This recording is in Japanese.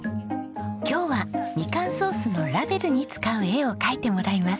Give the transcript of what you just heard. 今日はみかんソースのラベルに使う絵を描いてもらいます。